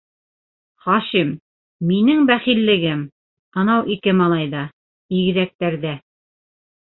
Хашим... минең бәхиллегем - анау ике малайҙа... игеҙәктәрҙә...